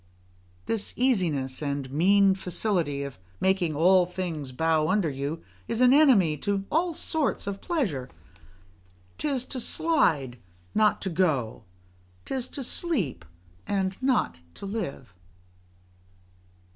This easiness and mean facility of making all things bow under you, is an enemy to all sorts of pleasure: 'tis to slide, not to go; 'tis to sleep, and not to live.